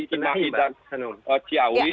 kinahi dan ciawi